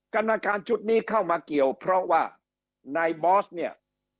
กรรมการชุดนี้เข้ามาเกี่ยวเพราะว่านายบอสเนี่ย